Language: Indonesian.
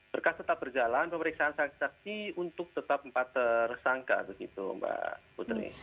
berkas tetap berjalan pemeriksaan saksi saksi untuk tetap empat tersangka begitu mbak putri